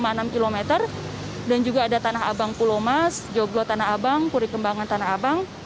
ini adalah satu enam km dan juga ada tanah abang pulomas joglo tanah abang purikembangan tanah abang